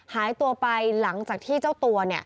หายตัวไปหลังจากที่เจ้าตัว